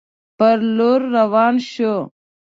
پر لور روان شو.